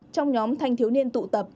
trong nhóm thanh thiếu niên tụ tập